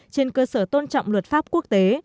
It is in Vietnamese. trên cơ sở tôn trọng luật pháp quốc tế